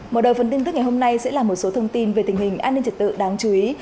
mở đầu phần tin tức ngày hôm nay sẽ là một số thông tin về tình hình an ninh trật tự đáng chú ý